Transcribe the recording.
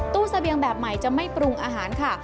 เสบียงแบบใหม่จะไม่ปรุงอาหารค่ะ